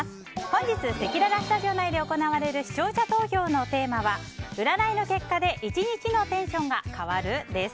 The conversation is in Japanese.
本日せきららスタジオ内で行われる視聴者投票のテーマは占いの結果で１日のテンションが変わる？です。